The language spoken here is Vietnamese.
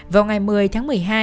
vào ngày một mươi tháng một mươi hai